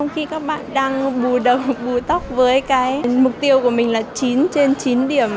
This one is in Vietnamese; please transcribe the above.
khi các bạn đang bù đầu gùi tóc với cái mục tiêu của mình là chín trên chín điểm